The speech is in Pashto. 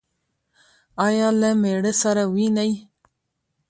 ایا له میړه سره وینئ؟